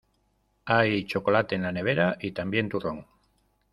Hay chocolate en la nevera y también turrón.